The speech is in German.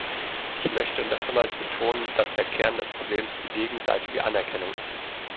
Ich möchte nochmals betonen, dass der Kern des Problems die gegenseitige Anerkennung ist.